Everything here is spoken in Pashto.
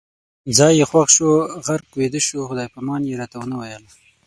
ځای یې خوښ شو، غرق ویده شو، خدای پامان یې راته نه ویل